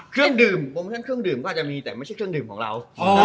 เครื่องดื่มโมชั่นเครื่องดื่มก็อาจจะมีแต่ไม่ใช่เครื่องดื่มของเรา